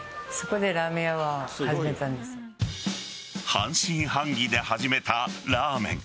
半信半疑で始めたラーメン。